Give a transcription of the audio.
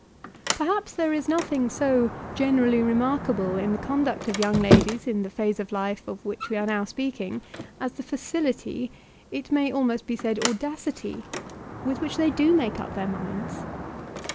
Perhaps there is nothing so generally remarkable in the conduct of young ladies in the phase of life of which we are now speaking as the facility, it may almost be said audacity, with which they do make up their minds.